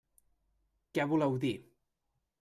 Què voleu dir?